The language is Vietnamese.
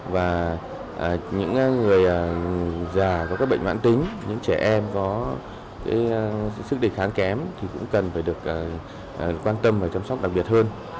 và những người già có các bệnh mãn tính những trẻ em có sức đề kháng kém thì cũng cần phải được quan tâm và chăm sóc đặc biệt hơn